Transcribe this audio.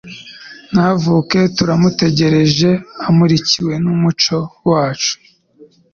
navuke turamutegereje amurikirwe n'umuco wacu